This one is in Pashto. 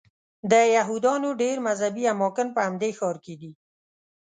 د یهودانو ډېر مذهبي اماکن په همدې ښار کې دي.